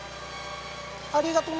ありがとな！